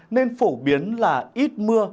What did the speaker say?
nên phổ biến là ít mưa